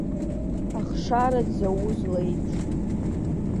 Ахшара дзауз леиԥш…